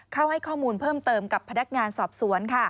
ให้ข้อมูลเพิ่มเติมกับพนักงานสอบสวน